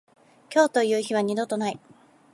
今日という日は二度とない。